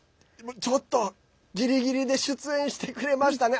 ちょっと、ギリギリで出演してくれましたね。